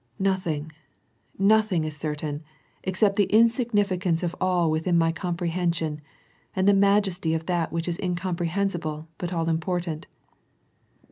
Nothing, nothing is certain, except the insignificance of all within my comprehen Bion and the majesty of that which is incomprehensible but tD important."